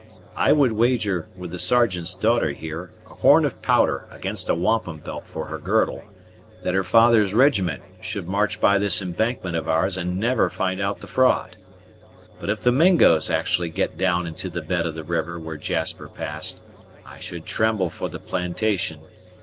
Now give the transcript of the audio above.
I would wager, with the Sergeant's daughter here, a horn of powder against a wampum belt for her girdle, that her father's rijiment should march by this embankment of ours and never find out the fraud! But if the Mingoes actually get down into the bed of the river where Jasper passed, I should tremble for the plantation.